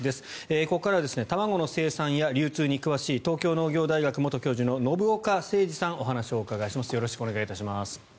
ここからは卵の生産や流通に詳しい東京農業大学元教授の信岡誠治さんにお話を伺います。